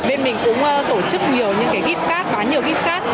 bên mình cũng tổ chức nhiều những cái gift card bán nhiều gift card